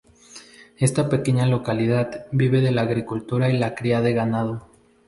Esta pequeña localidad vive de la agricultura y la cría de ganado.